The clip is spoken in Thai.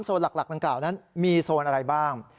๓โซนหลักของเก่านั้นมีโซนอะไรบ้าง